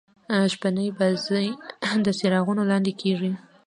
شپنۍ بازۍ د څراغو لانديکیږي.